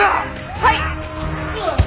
はい！